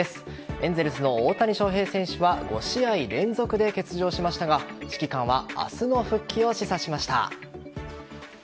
エンゼルスの大谷翔平選手は５試合連続で欠場しましたが指揮官は明日の復帰を示唆しました。